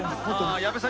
矢部さん